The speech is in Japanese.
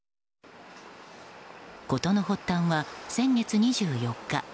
事の発端は先月２４日。